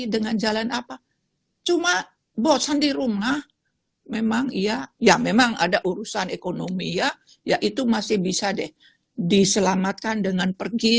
di rumah memang iya ya memang ada urusan ekonomi ya ya itu masih bisa deh diselamatkan dengan pergi